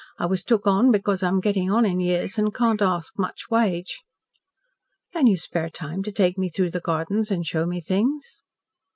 I was took on because I'm getting on in years an' can't ask much wage." "Can you spare time to take me through the gardens and show me things?"